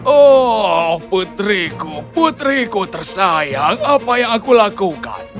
oh putriku putriku tersayang apa yang aku lakukan